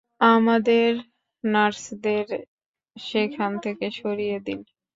আমাদের নার্সদের সেখান থেকে সরিয়ে দিন!